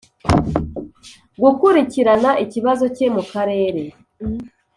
gukurikirana ikibazo cye mu karere